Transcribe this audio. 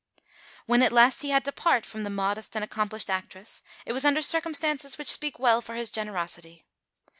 When at last he had to part from the modest and accomplished actress it was under circumstances which speak well for his generosity.